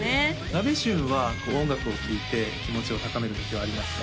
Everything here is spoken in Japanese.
なべしゅんは音楽を聴いて気持ちを高める時はありますか？